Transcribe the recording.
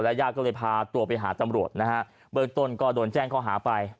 ญาติก็เลยพาตัวไปหาตำรวจนะฮะเบื้องต้นก็โดนแจ้งข้อหาไป